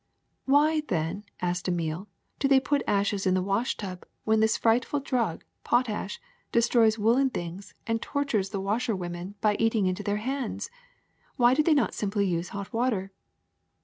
Why, then," asked Emile, '^do they put ashes in the w^ash tub when this frightful drug, potash, de stroys woolen things and tortures the washerwomen by eating into their hands? Why do they not simply use hot water?"